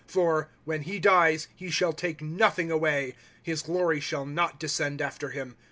" For, when he dies, he shall take nothing away ; His glory shall not descend after him.